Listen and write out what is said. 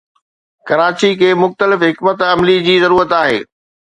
ڪراچي کي مختلف حڪمت عملي جي ضرورت آهي.